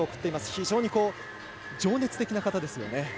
非常に情熱的な方ですよね。